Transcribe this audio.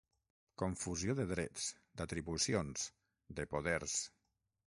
Confusió de drets, d'atribucions, de poders.